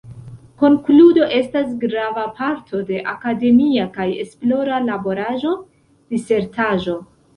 Konkludo estas grava parto de akademia kaj esplora laboraĵo, disertaĵo.